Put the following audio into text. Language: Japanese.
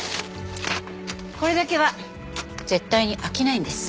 これだけは絶対に飽きないんです。